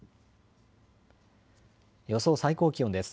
予想最高気温です。